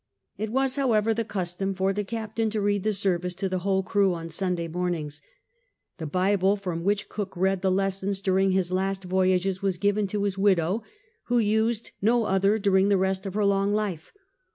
It was, however, the custom for the captain to read the service to the whole crew on Sunday mornings. The Bible from which Cook read the lessons during his last voyages was given to his widow, who used no other during the rest of her long life.